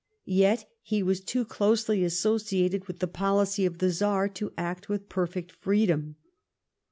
Yet he was too closely associated with the policy of the Czar to act with perfect freedom.